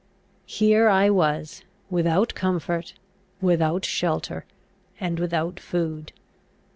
Here I was, without comfort, without shelter, and without food.